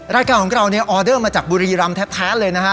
รายการของเราเนี่ยออเดอร์มาจากบุรีรำแท้เลยนะฮะ